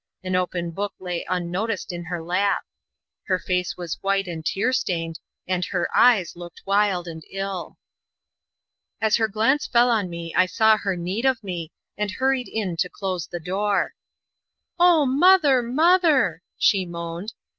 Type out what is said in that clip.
An open book lay unnoticed in her lap. Her face was white and tear stained, and her eyes looked wild and ill. As her glance fell on me I saw her need of me, and hurried in to close the door. "Oh, mother; mother!" she moaned.